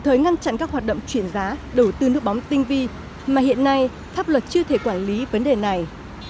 tiền giá đầu tư nước bóng tinh vi mà hiện nay pháp luật chưa thể quản lý vấn đề này